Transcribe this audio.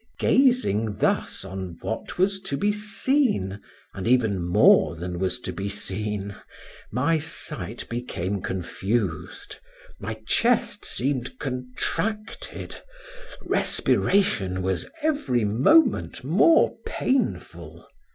Gazing thus on what was to be seen, and even more than was to be seen, my sight became confused, my chest seemed contracted, respiration was every moment more painful.